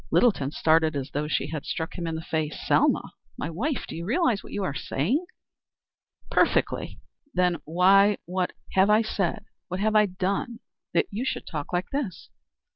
Littleton started as though she had struck him in the face. "Selma! My wife! Do you realize what you are saying?" "Perfectly." "Then then . Why, what have I said, what have I done that you should talk like this?"